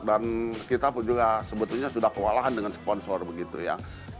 dan kita pun juga sebetulnya sudah kewalahan dengan sponsor begitu ya